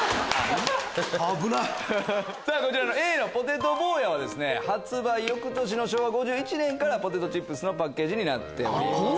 Ａのポテト坊やは発売翌年の昭和５１年からポテトチップスのパッケージになっております。